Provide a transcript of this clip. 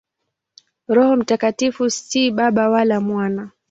Roho Mtakatifu si Baba wala Mwana.